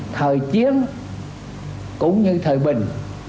thời chiến cũng như thời bình